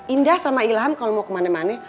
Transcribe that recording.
indah sama ilham kalau mau ke mana mana